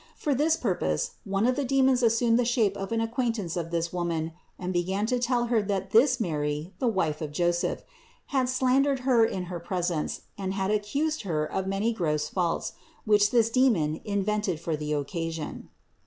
For this purpose one of the demons as sumed the shape of an acquaintance of this Woman and began to tell her that this Mary, the wife of Joseph, had slandered her in her presence and had accused her of many gross faults, which this demon invented for the occasion.